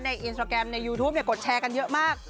อินสตราแกรมในยูทูปกดแชร์กันเยอะมาก